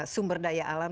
sumber daya alam